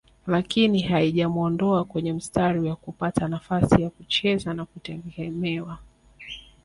lakini haijamuondoa kwenye mstari wa kupata nafasi ya kucheza na kutegemewa